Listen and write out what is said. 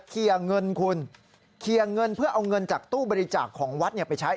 เคลียร์เงินคุณเคลียร์เงินเพื่อเอาเงินจากตู้บริจาคของวัดไปใช้